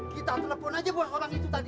kita telepon aja buat orang itu tadi